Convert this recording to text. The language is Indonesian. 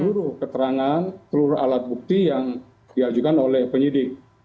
berdasarkan perkembangan telur alat bukti yang diajukan oleh penyidik